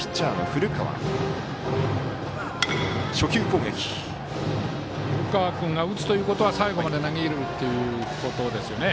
古川君が打つということは最後まで投げるということですよね。